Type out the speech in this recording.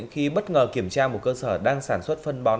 khi bất ngờ kiểm tra một cơ sở đang sản xuất phân bón